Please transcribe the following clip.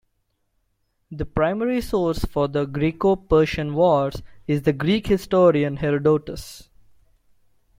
The primary source for the Greco-Persian Wars is the Greek historian Herodotus.